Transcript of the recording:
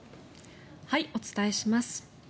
お伝えします。